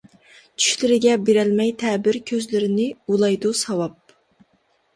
چۈشلىرىگە بېرەلمەي تەبىر، كۆزلىرىنى ئۇۋىلايدۇ ساۋاب.